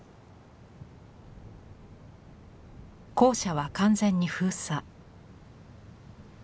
校舎は完全に封鎖。